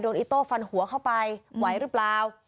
อิโต้ฟันหัวเข้าไปไหวหรือเปล่า